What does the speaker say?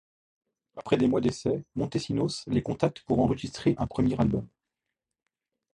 Après des mois d’essais, Montesinos les contacte pour enregistrer un premier album.